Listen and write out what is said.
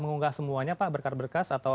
mengunggah semuanya pak berkat berkas atau